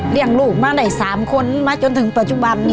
เลี่ยงลูกมาได้สามคนมาจนถึงปัจจุบันนี้แล้ว